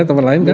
teman lain kan